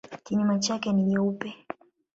Kinyume chake ni nyeupe.